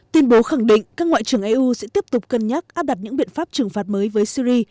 tuyên bố khẳng định các ngoại trưởng eu sẽ tiếp tục cân nhắc áp đặt những biện pháp trừng phạt mới với syri